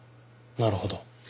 なるほど。